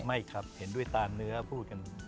ไม่ครับเห็นด้วยตาเนื้อพูดกัน